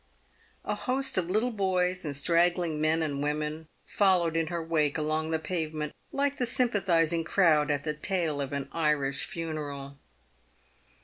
A host of little boys and straggling men and women fol lowed in her wake along the pavement, like the sympathising crowd at the tail of an Irish funeral.